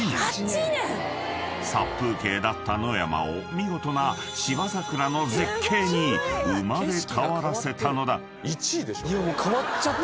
［殺風景だった野山を見事な芝桜の絶景に生まれ変わらせたのだ］